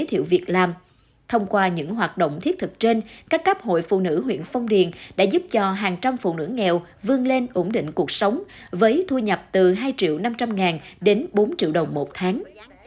thông qua những hoạt động thiết thực trên các cấp hội phụ nữ huyện phong điền đã giúp cho hàng trăm phụ nữ nghèo vươn lên ổn định cuộc sống với thu nhập từ hai triệu đồng một tháng